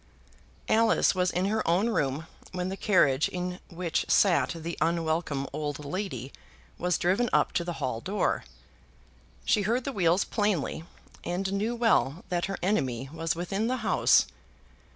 Alice was in her own room when the carriage in which sat the unwelcome old lady was driven up to the hall door. She heard the wheels plainly, and knew well that her enemy was within the house.